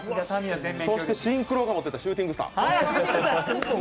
そしてシンクロが持っていたシューティングスター。